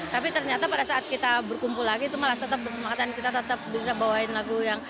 tapi ternyata pada saat kita berkumpul lagi itu malah tetap bersemangatan kita tetap bisa bawain lagu yang